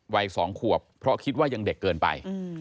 วัย๒ขวบเพราะคิดว่ายังเด็กเกินไป